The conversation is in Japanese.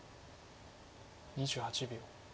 ２８秒。